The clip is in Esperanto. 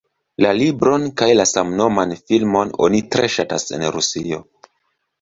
La libron kaj la samnoman filmon oni tre ŝatas en Rusio.